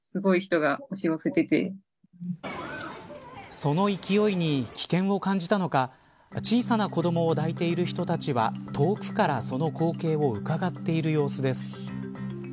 その勢いに危険を感じたのか小さな子どもを抱いている人たちは遠くからその光景をうかがっている様子です。